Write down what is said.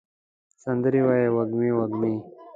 سندرې ووایې وږمې، وږمې